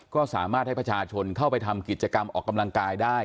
ก็สามารถให้ประชาชนเข้าไปทำกิจกรรมออกกำลังกายได้